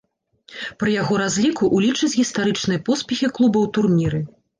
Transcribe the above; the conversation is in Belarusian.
Пры яго разліку улічаць гістарычныя поспехі клуба ў турніры.